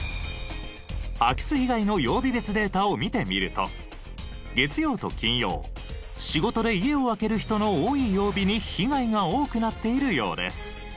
空き巣被害の曜日別データを見てみると月曜と金曜仕事で家を空ける人の多い曜日に被害が多くなっているようです。